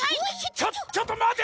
ちょちょっとまて！